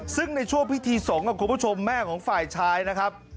ซึ่งในช่วงพิธีสงฆ์คุณผู้ชมแม่ของฝ่ายชายนะครับ